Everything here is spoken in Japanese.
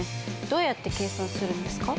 どうやって計算するんですか？